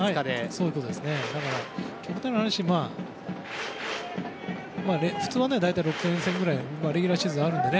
極端な話、普通は大体６連戦くらいはレギュラーシーズンであるので３